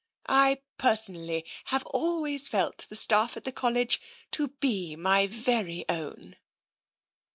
I, personally, have always felt the staflF at the College to be my very own."